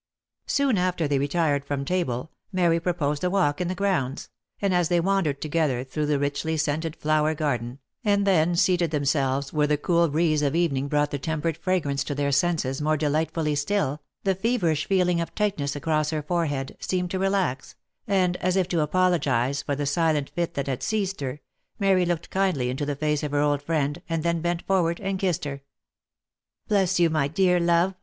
Soon after they retired from table, Mary proposed a walk in the grounds, and as they wandered together through the richly scented flower garden, and then seated themselves where the cool breeze of evening brought the tempered fragrance to their senses more delight fully still, the feverish feeling of tightness across her forehead, seemed to relax, and as if to apologise for the silent fit that had seized her, Mary looked kindly into the face of her old friend, and then bent forward and kissed her. " Bless you, my dear love